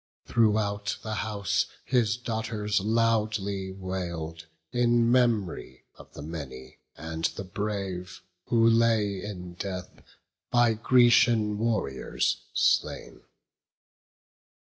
Throughout the house his daughters loudly wail'd In mem'ry of the many and the brave Who lay in death, by Grecian warriors slain.